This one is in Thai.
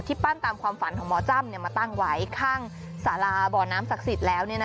ปั้นตามความฝันของหมอจ้ำมาตั้งไว้ข้างสาราบ่อน้ำศักดิ์สิทธิ์แล้ว